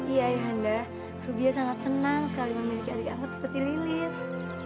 iya ya anda rubia sangat senang sekali memiliki adik amat seperti lilis